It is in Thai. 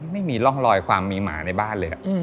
ไม่มีร่องรอยความมีหมาในบ้านเลย